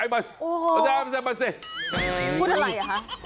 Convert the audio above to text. พูดอะไรหรอคะ